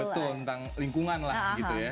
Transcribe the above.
betul tentang lingkungan lah gitu ya